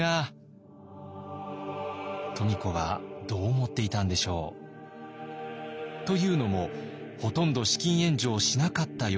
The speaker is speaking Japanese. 富子はどう思っていたんでしょう？というのもほとんど資金援助をしなかったようなんです。